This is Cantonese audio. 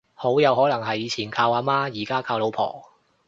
好有可能係以前靠阿媽而家靠老婆